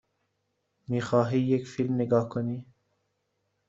می خواهی یک فیلم نگاه کنی؟